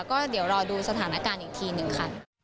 ก็เดี๋ยวรอดูสถานการณ์อีกทีหนึ่งค่ะ